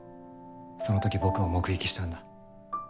その時僕を目撃したんだ。